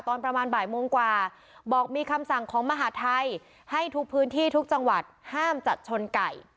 ตอนประมาณบ่ายโมงกว่าบอกมีคำสั่งของมหาทัยให้ทุกพื้นที่ทุกจังหวัดห้ามจัดชนไก่